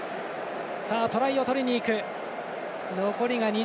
トライをとりにいく。